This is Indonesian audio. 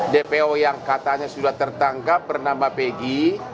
dpo yang katanya sudah tertangkap bernama peggy